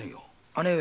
姉上。